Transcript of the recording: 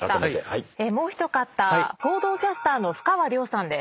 もう一方報道キャスターのふかわりょうさんです。